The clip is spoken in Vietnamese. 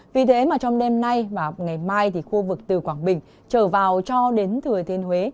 vì thế mà trong đêm nay và ngày mai thì khu vực từ quảng bình trở vào cho đến thừa thiên huế